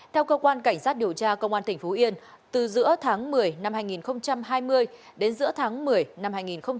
theo cơ quan cảnh sát điều tra công an tỉnh phú yên từ giữa tháng một mươi năm hai nghìn hai mươi đến giữa tháng một mươi năm hai nghìn hai mươi